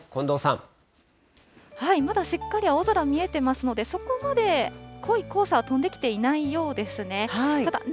まだしっかり青空、見えてますので、そこまで濃い黄砂は飛んできていないようですね。